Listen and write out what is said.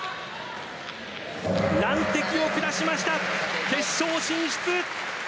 難敵を下しました、決勝進出！